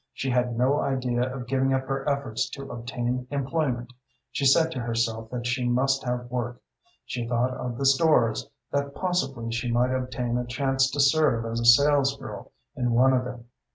She had no idea of giving up her efforts to obtain employment. She said to herself that she must have work. She thought of the stores, that possibly she might obtain a chance to serve as a sales girl in one of them.